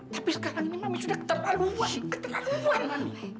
tapi sekarang ini mami sudah keterlaluan keterlaluan mami